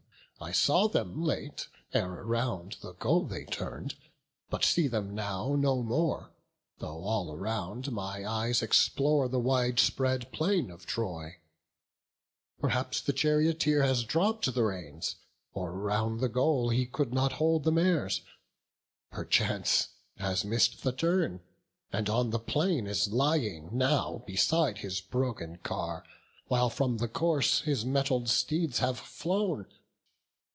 I saw them late, ere round the goal they turn'd, But see them now no more; though all around My eyes explore the wide spread plain of Troy. Perchance the charioteer has dropp'd the reins, Or round the goal he could not hold the mares; Perchance has miss'd the turn, and on the plain Is lying now beside his broken car, While from the course his mettled steeds have flown.